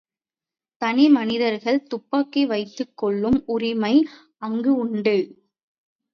தனி மனிதர்கள் துப்பாக்கி வைத்துக் கொள்ளும் உரிமை அங்கு உண்டு.